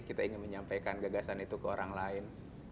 kita ingin menyampaikan gagasan itu ke orang lain